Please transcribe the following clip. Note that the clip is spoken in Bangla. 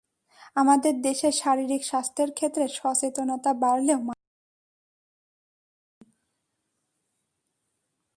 আমাদের দেশে শারীরিক স্বাস্থ্যের ক্ষেত্রে সচেতনতা বাড়লেও মানসিক স্বাস্থ্যের ক্ষেত্রে বাড়েনি।